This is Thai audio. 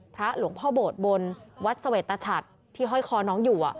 พระหลวงพ่อโบสถ์บนวัดสวรรค์ตะชัดที่ห้อยคอน้องอยู่อะ